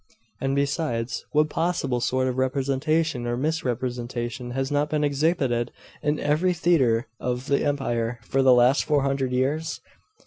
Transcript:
And besides, what possible sort of representation, or misrepresentation, has not been exhibited in every theatre of the empire for the last four hundred years?